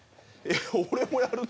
俺もやるの？